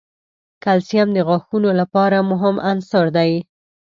کلسیم د غاښونو لپاره مهم عنصر دی.